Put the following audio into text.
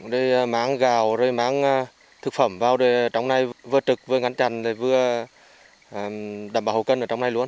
để mang gạo rồi mang thực phẩm vào để trong này vừa trực vừa ngăn chặn vừa đảm bảo hậu cân ở trong này luôn